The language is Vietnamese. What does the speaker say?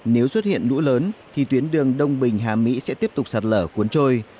nếu xuất hiện lũ lớn thì tuyến đường đông bình hà mỹ sẽ tiếp tục sạt lở cuốn trôi